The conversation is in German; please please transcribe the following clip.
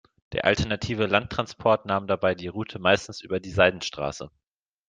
Der alternative Landtransport nahm dabei die Route meistens über die Seidenstraße.